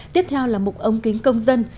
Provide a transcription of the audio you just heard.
tiếp theo là một ông kính công dân